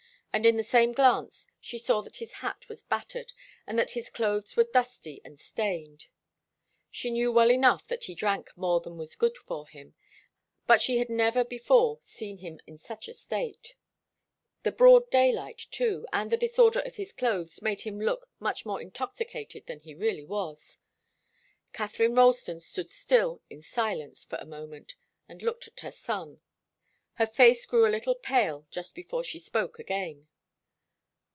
And in the same glance she saw that his hat was battered and that his clothes were dusty and stained. She knew well enough that he drank more than was good for him, but she had never before seen him in such a state. The broad daylight, too, and the disorder of his clothes made him look much more intoxicated than he really was. Katharine Ralston stood still in silence for a moment, and looked at her son. Her face grew a little pale just before she spoke again.